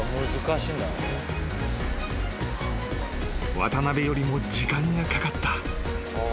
［渡邊よりも時間がかかった］